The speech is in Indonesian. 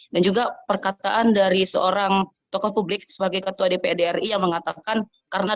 dan juga perkataan dari seorang tokoh publik sebagai ketua dprd yang mengatakan karena